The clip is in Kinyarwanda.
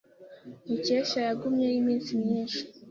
Mukesha yagumyeyo iminsi myinshi.